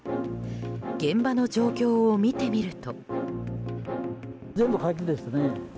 現場の状況を見てみると。